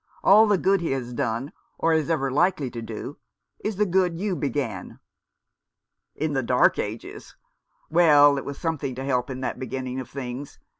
All the good he has done — or is ever likely to do — is the good you began." " In the dark ages. Well, it was something to help in that beginning of things.